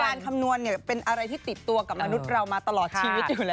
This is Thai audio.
คำนวณเป็นอะไรที่ติดตัวกับมนุษย์เรามาตลอดชีวิตอยู่แล้ว